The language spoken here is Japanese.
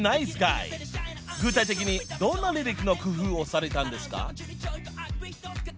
［具体的にどんなリリックの工夫をされたんですか？］